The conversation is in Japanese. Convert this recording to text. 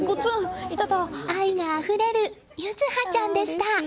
愛があふれる柚羽ちゃんでした。